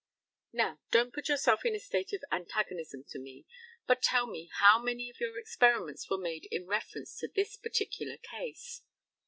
Now, don't put yourself in a state of antagonism to me, but tell me how many of your experiments were made in reference to this particular case?